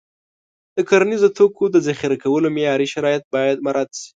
د کرنیزو توکو د ذخیره کولو معیاري شرایط باید مراعت شي.